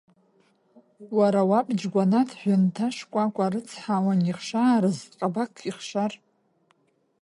Уара уаб Џьгәаҭ жәынҭашкәакәа рыцҳа уанихшаарыз, ҟабақк ихшар…